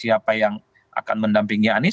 siapa yang akan mendampingi anies